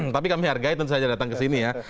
tapi kami hargai tentu saja datang ke sini ya